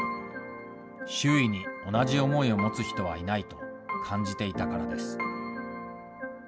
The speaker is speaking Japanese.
周囲に同じ思いを持つ人はいないと感じていたからです。